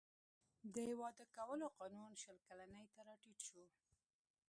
د واده کولو قانون شل کلنۍ ته راټیټ شو.